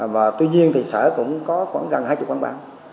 và tuy nhiên thì sở cũng có khoảng gần hai mươi quán bar